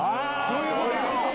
そういうことか！